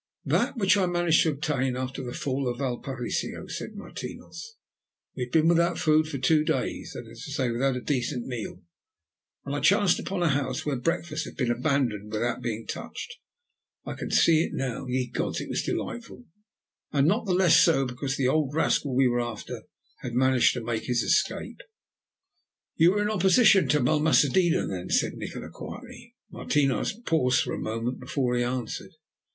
"That which I managed to obtain after the fall of Valparaiso," said Martinos. "We had been without food for two days, that is to say, without a decent meal, when I chanced upon a house where breakfast had been abandoned without being touched. I can see it now. Ye gods! it was delightful. And not the less so because the old rascal we were after had managed to make his escape." "You were in opposition to Balmaceda, then?" said Nikola quietly. Martinos paused for a moment before he answered.